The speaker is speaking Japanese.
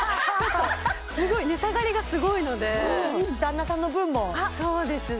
すごい値下がりがすごいので旦那さんの分もそうですね